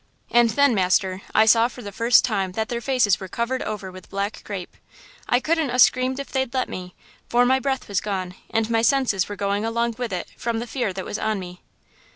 "And then, master, I saw for the first time that their faces were covered over with black crape. I couldn't a screamed if they'd let me! for my breath was gone and my senses were going along with it from the fear that was on me.